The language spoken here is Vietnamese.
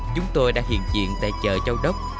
chúng tôi đã hiện diện tại chợ châu đốc